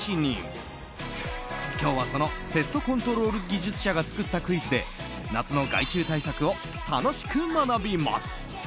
今日はそのペストコントロール技術者が作ったクイズで夏の害虫対策を楽しく学びます。